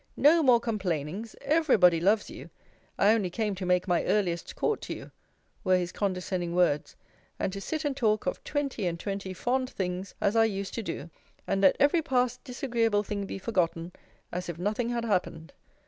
No more complainings! every body loves you! I only came to make my earliest court to you! [were his condescending words] and to sit and talk of twenty and twenty fond things, as I used to do. And let every past disagreeable thing be forgotten; as if nothing had happened.